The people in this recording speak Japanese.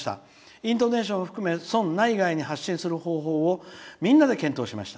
イントネーションを含め村内外に発信する方法をみんなで検討しました。